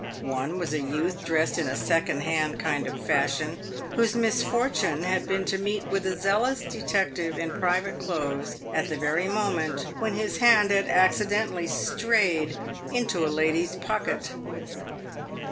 One was a youth dressed in a second hand kind of fashion, whose misfortune had been to meet with a zealous detective in private clothes at the very moment when his hand had accidentally strayed into a lady's pocket.